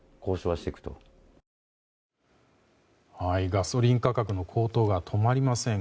ガソリン価格の高騰が止まりません。